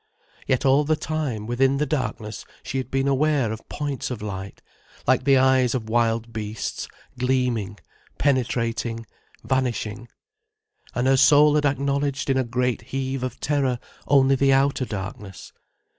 Yet all the time, within the darkness she had been aware of points of light, like the eyes of wild beasts, gleaming, penetrating, vanishing. And her soul had acknowledged in a great heave of terror only the outer darkness.